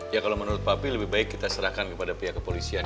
ya kalau menurut papi lebih baik kita serahkan kepada pihak kepolisian